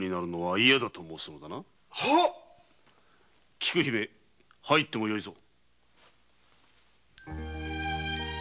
菊姫入ってもよいぞ。